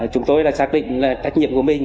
chúng tôi đã xác định là trách nhiệm của mình